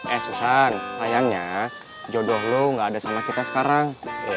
eh susah sayangnya jodoh lo gak ada sama kita sekarang